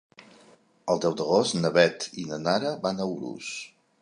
El deu d'agost na Beth i na Nara van a Urús.